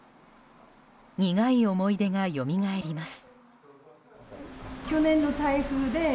苦い思い出がよみがえります。